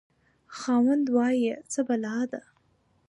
خاوند: وایه څه بلا ده؟